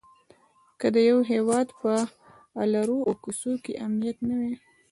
که د یوه هيواد په الرو او کوڅو کې امنيت نه وي؛